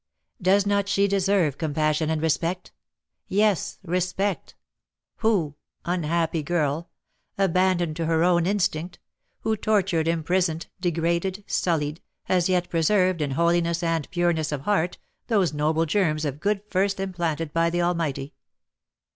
Does not she deserve compassion and respect, yes, respect, who, unhappy girl! abandoned to her own instinct, who, tortured, imprisoned, degraded, sullied, has yet preserved, in holiness and pureness of heart, those noble germs of good first implanted by the Almighty?